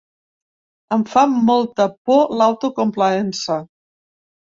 Em fa molta por l’autocomplaença.